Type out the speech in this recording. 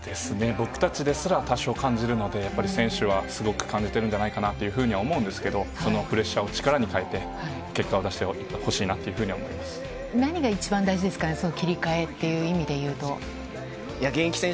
僕たちですら多少感じるので、やっぱり選手はすごく感じてるんじゃないかなというふうには思うんですけど、そのプレッシャーを力に変えて結果を出してほしいなというふうに何が一番大事ですかね、切り替えっていう意味で言うと。